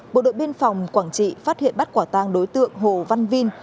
bộ đội biên phòng quảng trị phát hiện bắt quả tang đối tượng hồ văn vinh